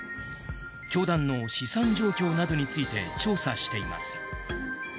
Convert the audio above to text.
教団の資産状況などについて調査しています。